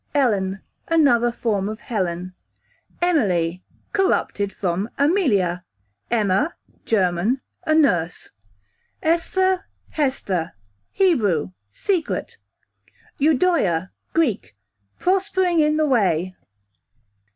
Ellen, another form of Helen, q.v. Emily, corrupted from Amelia. Emma, German, a nurse. Esther/Hesther, Hebrew, secret. Eudoia, Greek, prospering in the way.